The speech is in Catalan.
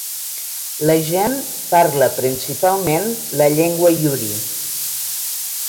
La gent parla principalment la llengua luri.